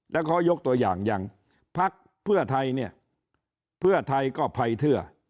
แล้วขอยกตัวอย่างอย่างพักเพื่อไทยเนี่ยเพื่อไทยก็ภัยเทือ